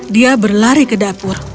dia berlari ke dapur